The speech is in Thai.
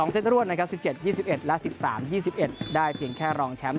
เซตรวดนะครับ๑๗๒๑และ๑๓๒๑ได้เพียงแค่รองแชมป์